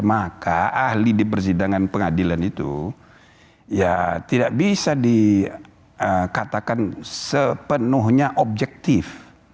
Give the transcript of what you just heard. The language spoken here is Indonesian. maka ahli di persidangan pengadilan itu ya tidak bisa dikatakan sepenuhnya objektif